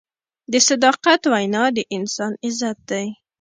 د صداقت وینا د انسان عزت دی.